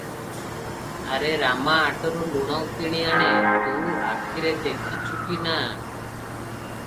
ଆରେ ରାମା ହାଟରୁ ଲୁଣ କିଣି ଆଣେ, ତୁ ଆଖିରେ ଦେଖିଛୁ କି ନା?